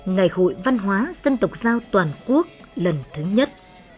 ngày hội văn hóa dân tộc giao toàn quốc lần thứ nhất